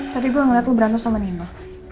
tadi gue ngeliat lo berantem sama nimo